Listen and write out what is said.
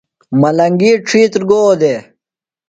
ملنگی ڇِھیتر گو دےۡ؟